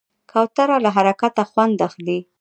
کوتره له حرکته خوند اخلي.